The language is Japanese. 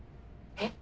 えっ？